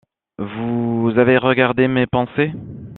Vous avez regardé mes pensées.